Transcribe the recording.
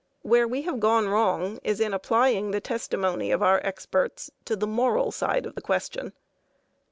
Where we have gone wrong is in applying the testimony of our experts to the moral side of the question.